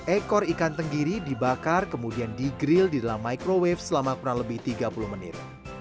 ekor ikan tenggiri dibakar kemudian di grill di dalam microwave selama kurang lebih tiga puluh menit